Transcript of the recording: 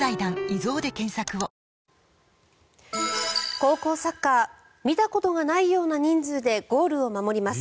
高校サッカー見たことがないような人数でゴールを守ります。